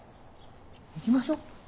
行きましょう。